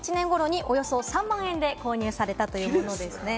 ２００１年頃におよそ３万円で購入されたということです。